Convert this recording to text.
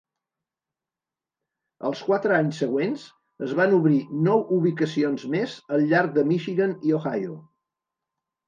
Els quatre anys següents es van obrir nou ubicacions més al llarg de Michigan i Ohio.